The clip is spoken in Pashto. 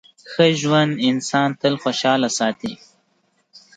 ښه ژوند انسان تل خوشحاله ساتي.